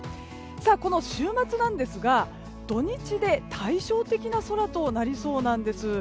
この週末なんですが土日で対照的な空となりそうなんです。